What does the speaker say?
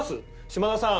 「島田さん